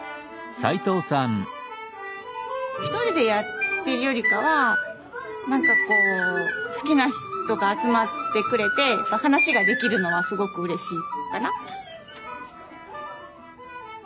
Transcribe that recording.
１人でやってるよりかは好きな人が集まってくれて話ができるのはすごくうれしいかな。